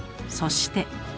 そして。